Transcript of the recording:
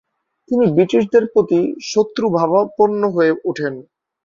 তিনি ব্রিটিশদের প্রতি শত্রুভাবাপন্ন হয়ে ওঠেন।